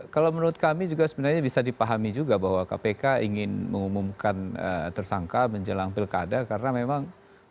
kalau menurut kami juga sebenarnya bisa dipahami juga bahwa kpk ingin mengumumkan tersangka menjelang pilkada karena memang